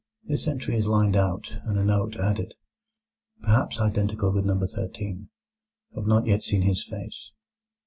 This entry is lined out, and a note added: "Perhaps identical with No. 13. Have not yet seen his face."